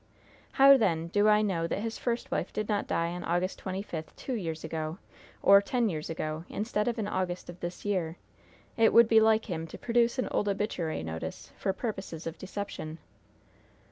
How, then, do I know that his first wife did not die on August twenty fifth, two years ago, or ten years ago, instead of in August of this year? It would be like him to produce an old obituary notice for purposes of deception."